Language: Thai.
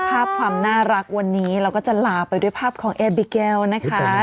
ภาพความน่ารักวันนี้เราก็จะลาไปด้วยภาพของเอบิเกลนะคะ